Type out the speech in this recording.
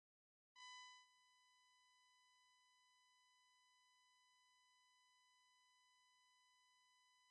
The following institutions of higher learning are located in the Panhandle.